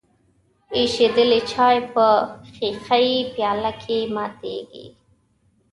ایشیدلی چای په ښیښه یي پیاله کې ماتیږي.